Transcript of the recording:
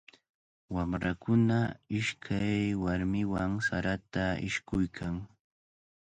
Wamrakuna ishkay warmiwan sarata ishkuykan.